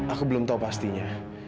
aku belum tahu pastinya